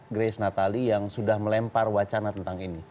grace natali yang sudah melempar wacana tentang ini